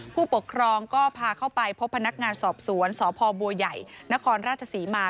ผู้ปกครองก็พาเข้าไปพบพนักงานสอบสวนสพบัวใหญ่นครราชศรีมา